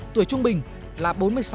tuổi trung bình là bốn mươi sáu hai